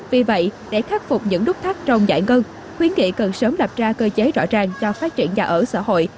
vì vậy để khắc phục những nút thắt trong giải ngân khuyến nghị cần sớm đặt ra cơ chế rõ ràng cho phát triển nhà ở xã hội